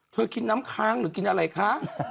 กินน้ำค้างหรือกินอะไรคะ